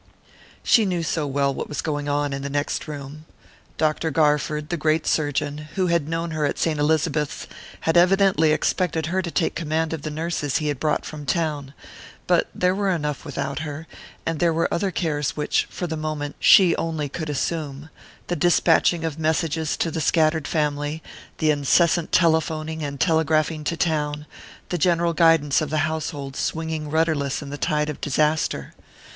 She knew so well what was going on in the next room. Dr. Garford, the great surgeon, who had known her at Saint Elizabeth's, had evidently expected her to take command of the nurses he had brought from town; but there were enough without her, and there were other cares which, for the moment, she only could assume the despatching of messages to the scattered family, the incessant telephoning and telegraphing to town, the general guidance of the household swinging rudderless in the tide of disaster.